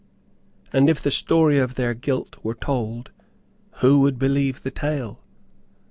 And if the story of their guilt were told, who would believe the tale?